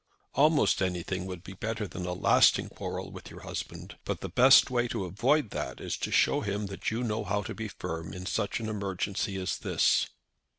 "Almost anything would be better than a lasting quarrel with your husband; but the best way to avoid that is to show him that you know how to be firm in such an emergency as this."